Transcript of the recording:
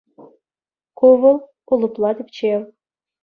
Ку вӑл — улӑпла тӗпчев.